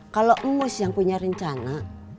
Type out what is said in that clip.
kalau mus yang punya rencana